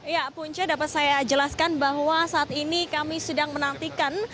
ya punca dapat saya jelaskan bahwa saat ini kami sedang menantikan